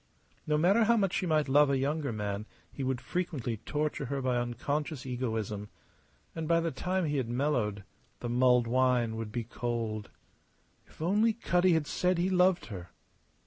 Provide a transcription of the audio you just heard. No matter how much she might love a younger man he would frequently torture her by unconscious egoism; and by the time he had mellowed, the mulled wine would be cold. If only Cutty had said he loved her!